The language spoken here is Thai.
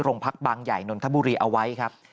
บางใหญ่นนทบุรีเอาไว้ครับ